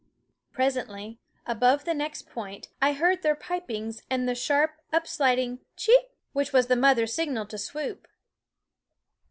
Presently, above the next point, I heard their pipings and the sharp, up sliding Cheeeep ! which was the mother's signal to swoop.